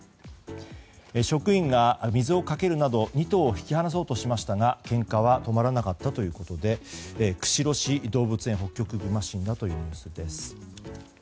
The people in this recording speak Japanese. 職員が水をかけるなど２頭を引き離そうとしましたがけんかは止まらなかったということで釧路市動物園、ホッキョクグマ死んだというニュースです。